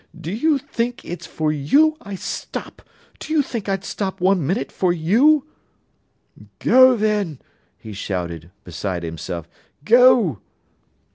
"Do you think it's for you I stop—do you think I'd stop one minute for you?" "Go, then," he shouted, beside himself. "Go!"